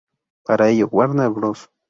Para ello, Warner Bros.